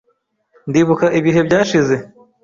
Ndibuka ibihe byashize.